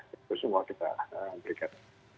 itu semua kita berikan